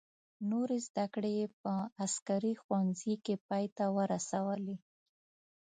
نورې زده کړې یې په عسکري ښوونځي کې پای ته ورسولې.